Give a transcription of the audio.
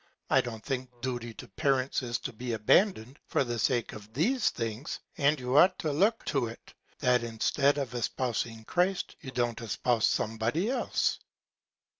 I don't think Duty to Parents is to be abandon'd for the Sake of these Things; and you ought to look to it, that instead of espousing Christ, you don't espouse some Body else.